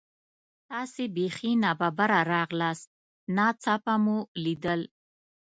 تاسې بیخي نا ببره راغلاست، ناڅاپه مو لیدل.